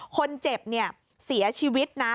คนเจ็บเสียชีวิตนะ